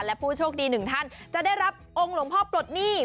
และผู้โชคดีหนึ่งท่านจะได้รับองค์หลวงพ่อปลดหนี้